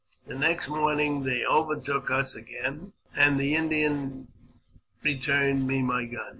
The next morning they overtook us again, and the Indian returned me my gun.